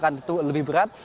atau lebih berat